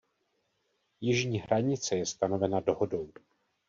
Jižní hranice je stanovena dohodou.